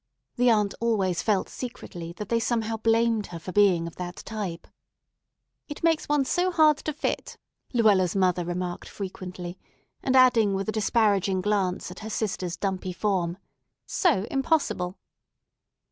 The aunt always felt secretly that they somehow blamed her for being of that type. "It makes one so hard to fit," Luella's mother remarked frequently, and adding with a disparaging glance at her sister's dumpy form, "So impossible!"